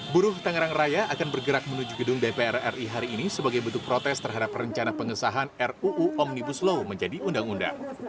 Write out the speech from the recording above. buruh tangerang raya akan bergerak menuju gedung dpr ri hari ini sebagai bentuk protes terhadap rencana pengesahan ruu omnibus law menjadi undang undang